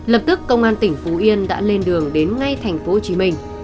lập tức công an tỉnh phú yên đã lên đường đến ngay thành phố hồ chí minh